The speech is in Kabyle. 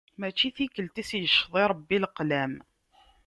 Mačči tikelt i s-yecceḍ i Rebbi leqlam.